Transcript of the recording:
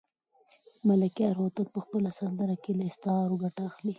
ملکیار هوتک په خپله سندره کې له استعارو ګټه اخلي.